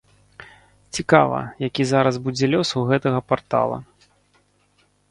Цікава, які зараз будзе лёс у гэтага партала.